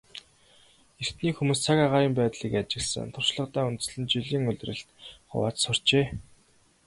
Эртний хүмүүс цаг агаарын байдлыг ажигласан туршлагадаа үндэслэн жилийг улиралд хувааж сурчээ.